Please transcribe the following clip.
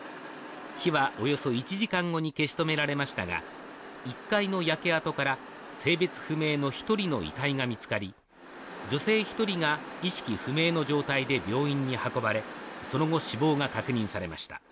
火はおよそ１時間後に消し止められましたが１階の焼け跡から性別不明の１人の遺体が見つかり女性１人が意識不明の状態で病院に運ばれその後、死亡が確認されました。